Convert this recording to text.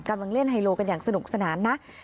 กำลังเล่นไฮโลกันอย่างสนุกสนานนะ